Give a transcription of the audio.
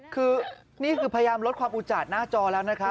คือนี่คือพยายามลดความอุจจาดหน้าจอแล้วนะครับ